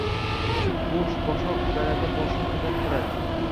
Ichi boʻsh boshoq dalada boshini koʻtarib turadi